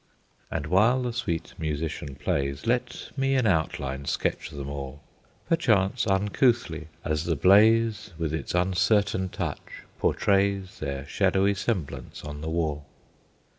And while the sweet musician plays, Let me in outline sketch them all, Perchance uncouthly as the blaze With its uncertain touch portrays Their shadowy semblance on the wall.